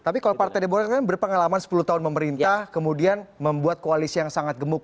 tapi kalau partai demokrat kan berpengalaman sepuluh tahun memerintah kemudian membuat koalisi yang sangat gemuk